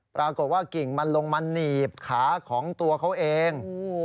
ปรากฏว่ากิ่งมันลงมาหนีบขาของตัวเขาเอง